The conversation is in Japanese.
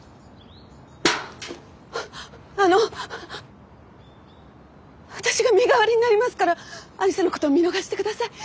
あっあの私が身代わりになりますからアリサのこと見逃してください。